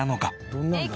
どんなんだろう？